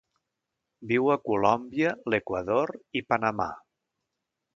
Viu a Colòmbia, l'Equador i Panamà.